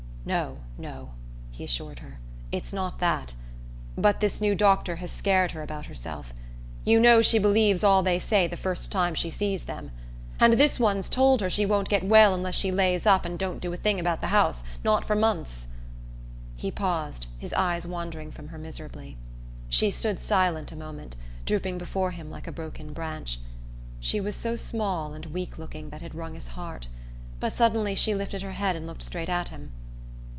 "No, no," he assured her, "it's not that. But this new doctor has scared her about herself. You know she believes all they say the first time she sees them. And this one's told her she won't get well unless she lays up and don't do a thing about the house not for months " He paused, his eyes wandering from her miserably. She stood silent a moment, drooping before him like a broken branch. She was so small and weak looking that it wrung his heart; but suddenly she lifted her head and looked straight at him.